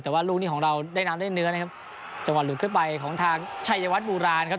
แต่ว่าลูกนี้ของเราได้น้ำได้เนื้อนะครับจังหวะหลุดขึ้นไปของทางชัยวัดโบราณครับ